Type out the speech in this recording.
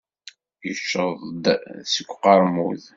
Yecceḍ-d seg uqermud.